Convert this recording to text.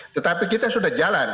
tetapi kita sudah jalan